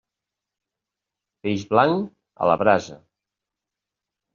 Peix blanc, a la brasa.